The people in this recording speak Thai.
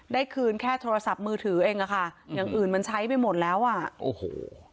ได้คืนแค่โทรศัพท์มือถือเองอ่ะค่ะอย่างอื่นมันใช้ไปหมดแล้วอ่ะโอ้โห